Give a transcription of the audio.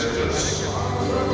perusahaan perusahaan indonesia